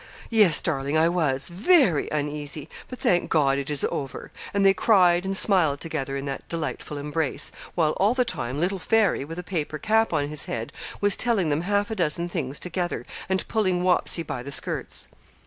'Yes, darling, I was very uneasy; but thank God, it is over.' And they cried and smiled together in that delightful embrace, while all the time little Fairy, with a paper cap on his head, was telling them half a dozen things together, and pulling Wapsie by the skirts.